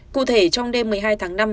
cụ thể trong đêm một mươi hai tháng năm